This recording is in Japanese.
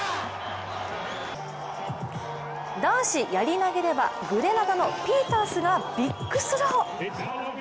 男子やり投げでは、グレナダのピータースがビッグスロー。